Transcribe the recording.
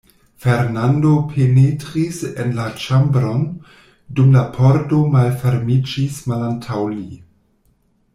Fernando penetris en la ĉambron, dum la pordo malfermiĝis malantaŭ li.